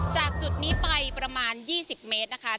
จากจุดนี้ไปประมาณ๒๐เมตรนะคะ